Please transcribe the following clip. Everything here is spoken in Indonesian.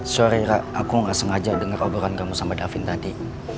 sorry rara aku gak sengaja denger oboran kamu sama davin tadi